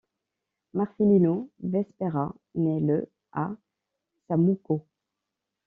Marcelino Vespeira naît le à Samouco.